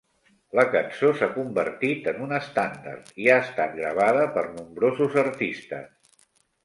La cançó s'ha convertit en un estàndard i ha estat gravada per nombrosos artistes.